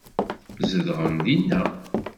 Zedɣen dinna.